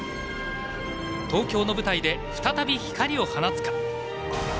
東京の舞台で再び光を放つか。